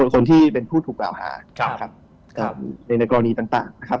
คนได้เป็นผู้ถูกหล่าโอฮารในรักษณีย์ต่างนะครับ